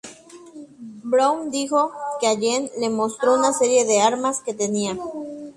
Brown dijo que Allen le mostró una serie de armas que tenía.